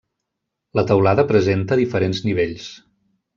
La teulada presenta diferents nivells.